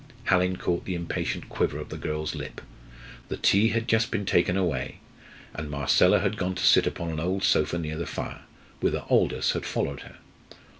Hallin caught the impatient quiver of the girl's lip. The tea had just been taken away, and Marcella had gone to sit upon an old sofa near the fire, whither Aldous had followed her.